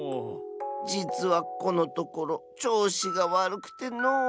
じつはこのところちょうしがわるくてのう。